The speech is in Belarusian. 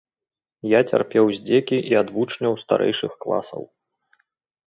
Я цярпеў здзекі і ад вучняў старэйшых класаў.